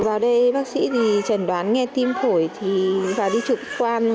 vào đây bác sĩ trần đoán nghe tim phổi thì vào đi trực quan